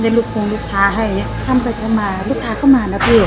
ได้ลูกคงลูกค้าให้เนี้ยท่านไปท่านมาลูกค้าก็มาแล้วพี่